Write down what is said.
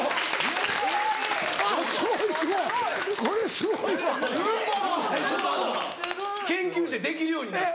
・・すごい・研究してできるようになって。